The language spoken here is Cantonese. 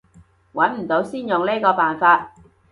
揾唔到先用呢個辦法